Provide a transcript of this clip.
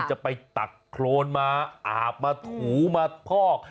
จะไปตักโครนมาอาบมาถูมาพอก